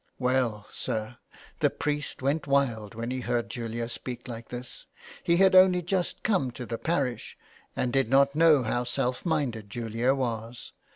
Well, sir, the priest went wild when he heard Julia speak like this ; he had only just come to the parish, and did not know how self minded Julia was.